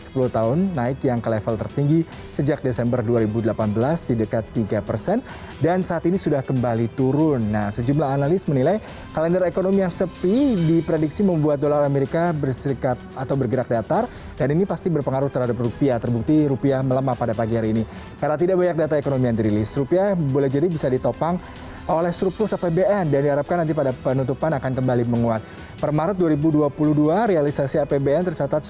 pada maret dua ribu dua puluh dua realisasi apbn tercatat serupu sebanyak rp sepuluh tiga triliun